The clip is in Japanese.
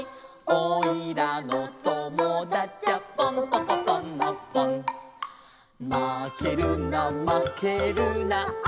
「おいらのともだちゃポンポコポンのポン」「まけるなまけるなおしょうさんにまけるな」